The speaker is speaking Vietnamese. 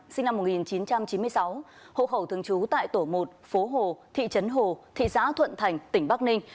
sinh năm một nghìn chín trăm chín mươi sáu hộ khẩu thường trú tại tổ một phố hồ thị trấn hồ thị xã thuận thành tỉnh bắc ninh